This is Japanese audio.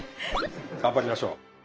頑張りましょう。